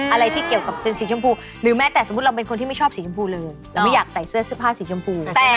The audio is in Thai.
อะไรที่เกี่ยวกับเป็นสีชมพูหรือแม้แต่สมมุติเราเป็นคนที่ไม่ชอบสีชมพูเลยเราไม่อยากใส่เสื้อเสื้อผ้าสีชมพู